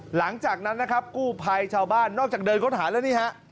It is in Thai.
หลังจากนั้นนะครับกู้ภัยชาวบ้านนอกจากเดินค้นหาแล้วนี่ฮะ